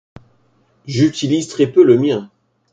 J'utilise très peu le mien.